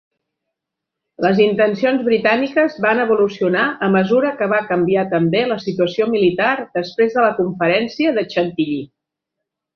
Les intencions britàniques van evolucionar a mesura que va canviar també la situació militar després de la conferència de Chantilly.